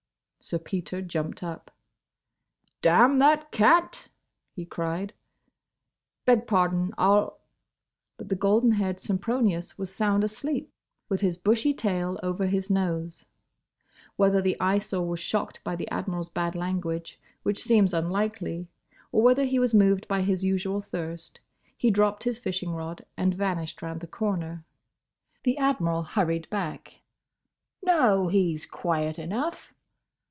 Sir Peter jumped up. "Damn that cat!" he cried—"Beg pardon!—I'll—" But the golden haired Sempronius was sound asleep with his bushy tail over his nose. Whether the Eyesore was shocked by the Admiral's bad language—which seems unlikely—or whether he was moved by his usual thirst, he dropped his fishing rod, and vanished round the corner. The Admiral hurried back. "No. He 's quiet enough."